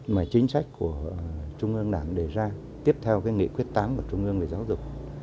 mà chính sách của trung ương đảng đề ra tiếp theo cái nghị quyết tám của trung ương về giáo dục